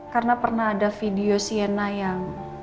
karena pernah ada video siana yang